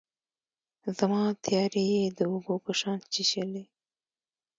زما تیارې یې د اوبو په شان چیښلي